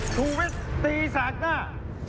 ทวิสตีสากหน้า